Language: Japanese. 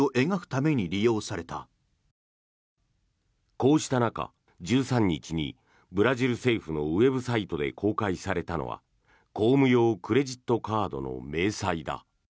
こうした中、１３日にブラジル政府のウェブサイトで公開されたのは公務用クレジットカードの明細だ。